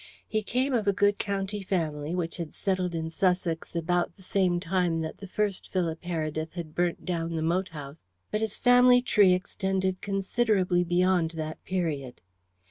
He came of a good county family, which had settled in Sussex about the same time that the first Philip Heredith had burnt down the moat house, but his family tree extended considerably beyond that period.